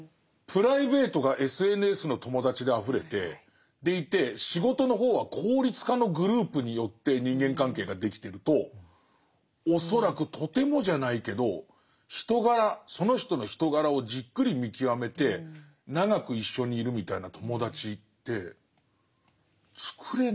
プライベートがＳＮＳの友達であふれてでいて仕事の方は効率化のグループによって人間関係ができてると恐らくとてもじゃないけど人柄その人の人柄をじっくり見極めて長く一緒にいるみたいな友達ってつくれない。